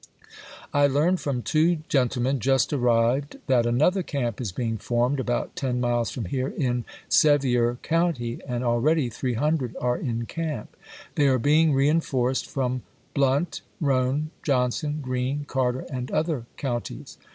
.. I learn from two gentlemen, just arrived, that another camp is being formed about ten miles from here in Sevier County, and already three hundred are in camp. They are being reenforced from Blount, Roane, Johnson, Grreen, Carter, and other counties.